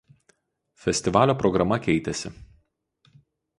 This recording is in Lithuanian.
Festivalio programa keitėsi.